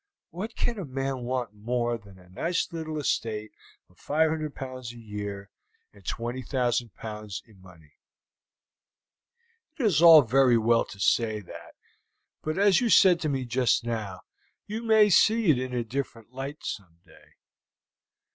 What can a man want more than a nice little estate of 500 pounds a year and 20,000 pounds in money?" "It is all very well to say that, but as you said to me just now, you may see it in a different light some day."